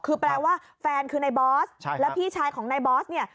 คือแปลว่าแฟนคือในบอสแล้วพี่ชายของนายบอสเนี่ย